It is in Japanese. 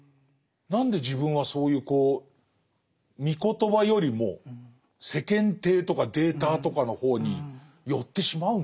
何で自分はそういうこうみ言葉よりも世間体とかデータとかの方に寄ってしまうんですかね。